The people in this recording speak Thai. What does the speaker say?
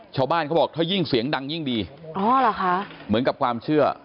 ชาวบ้านเขาบอกถ้ายิ่งเสียงดังยิ่งดีเหมือนกับความเชื่อ